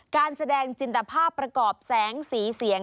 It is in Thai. การแสดงจินตภาพประกอบแสงสีเสียง